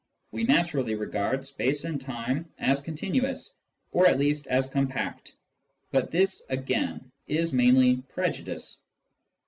We naturally regard space and time as continuous, or, at least, as compact ; but this again is mainly prejudice.